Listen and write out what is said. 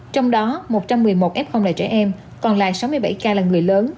trong đó một trăm một mươi một f là trẻ em còn lại sáu mươi bảy ca là người lớn